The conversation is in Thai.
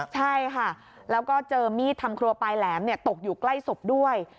ใช่ค่ะแล้วก็เจอมีดทำครัวปลายแหลมตกอยู่ใกล้ศพด้วย